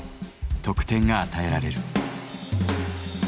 得点が与えられる。